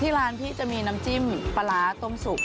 ร้านพี่จะมีน้ำจิ้มปลาร้าต้มสุก